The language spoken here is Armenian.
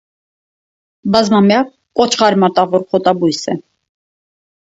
Բազմամյա կոճղարմատավոր խոտաբույս է։